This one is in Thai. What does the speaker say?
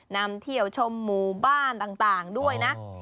นำเที่ยวชมหมู่บ้านต่างด้วยนะ